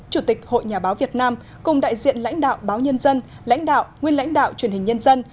chủ tịch hội nhà báo việt nam cùng đại diện lãnh đạo báo nhân dân lãnh đạo nguyên lãnh đạo truyền hình nhân dân